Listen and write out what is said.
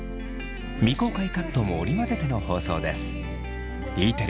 未公開カットも織り交ぜての放送です。